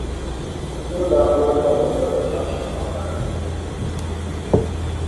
Niriba daa bi lahi bɔri ni bɛ da binshɛɣu shitɔɣu maa ni.